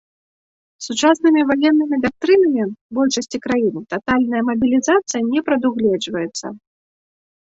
Сучаснымі ваеннымі дактрынамі большасці краін татальная мабілізацыя не прадугледжваецца.